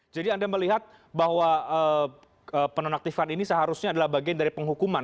jadi anda melihat bahwa penonaktifan ini seharusnya adalah bagian dari penghukuman